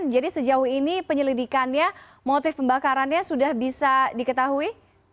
sejauh ini penyelidikannya motif pembakarannya sudah bisa diketahui